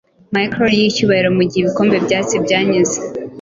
Mickle yicyubahiromugihe ibikombe-byatsi byanyuze